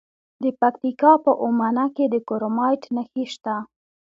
د پکتیکا په اومنه کې د کرومایټ نښې شته.